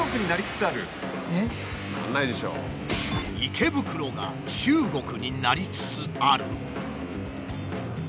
池袋が中国になりつつある？